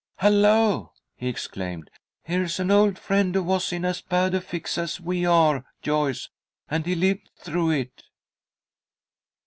"Hello!" he exclaimed. "Here's an old friend who was in as bad a fix as we are, Joyce, and he lived through it."